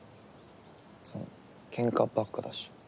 そのケンカばっかだし。